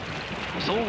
そう